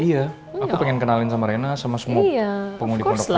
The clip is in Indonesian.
iya aku pengen kenalin sama rena sama semua pengundi kondok kulit